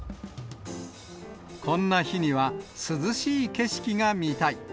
こんな日には、涼しい景色が見たい。